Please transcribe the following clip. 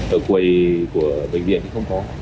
ở quầy của bệnh viện thì không có